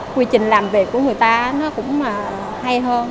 quy trình làm việc của người ta nó cũng hay hơn